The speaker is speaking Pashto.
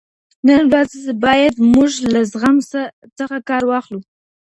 نن ورځ بايد موږ له زغم څخه کار واخلو.